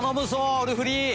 オールフリー！